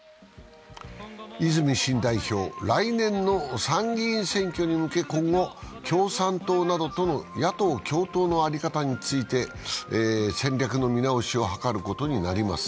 泉新代表、来年の参議院選挙に向け今後、共産党などとの野党共闘の在り方について戦略の見直しを図ることになります。